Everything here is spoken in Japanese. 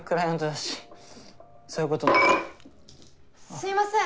すみません。